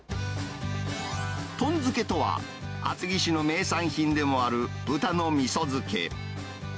とん漬とは、厚木市の名産品でもある豚のみそ漬け。